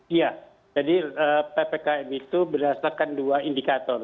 iya jadi ppkm itu berdasarkan dua indikator